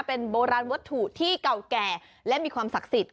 เป็นโบราณวัตถุที่เก่าแก่และมีความศักดิ์สิทธิ